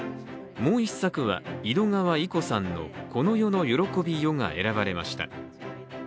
もう一作は、井戸川射子さんの「この世の喜びよ」が選ばれました。